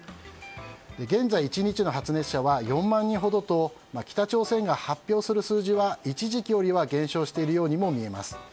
現在１日の発熱者は４万人ほどと北朝鮮が発表する数字は一時期よりかは減少しているようにも見えます。